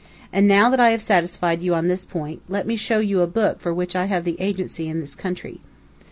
And now that I have satisfied you on this point, let me show you a book for which I have the agency in this country."